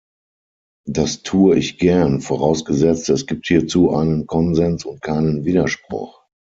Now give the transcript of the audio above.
Das tue ich gern, vorausgesetzt, es gibt hierzu einen Konsens und keinen Widerspruch.